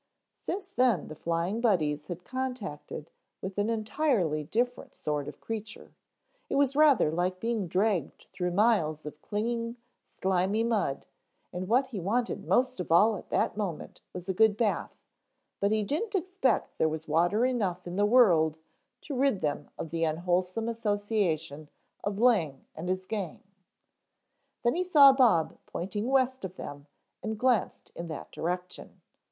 Since then the Flying Buddies had contacted with an entirely different sort of creature; it was rather like being dragged through miles of clinging, slimy mud, and what he wanted most of all at that moment was a good bath, but he didn't expect there was water enough in the world to rid them of the unwholesome association of Lang and his gang. Then he saw Bob pointing west of them and glanced in that direction.